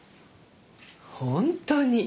本当に。